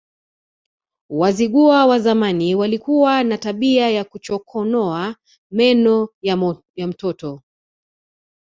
Wazigua wa zamani walikuwa na tabia ya kuchokonoa meno ya mtoto